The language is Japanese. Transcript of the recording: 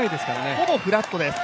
ほぼフラットです。